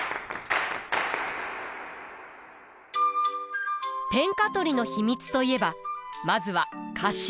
天下取りの秘密といえばまずは家臣団。